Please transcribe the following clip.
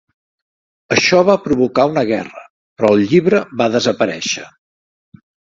Això va provocar una guerra, però el llibre va desaparèixer.